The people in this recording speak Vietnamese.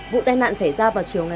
vụ tai nạn xảy ra vào chiều nay